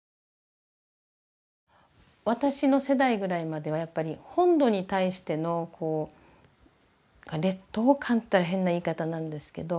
私の世代ぐらいまではやっぱり本土に対してのこう劣等感って言ったら変な言い方なんですけど。